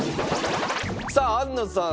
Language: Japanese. さあ安野さん